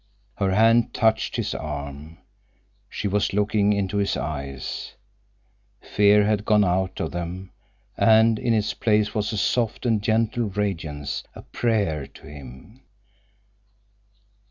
Her hand touched his arm; she was looking into his eyes. Fear had gone out of them, and in its place was a soft and gentle radiance, a prayer to him.